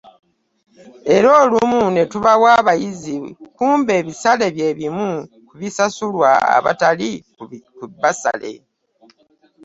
Era olumu ne tubawa abayizi kumbe ebisale bye bimu bye bisasulwa abatali ku bbasale